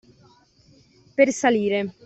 Per salire!